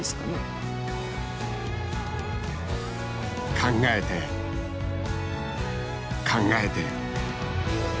考えて考えて。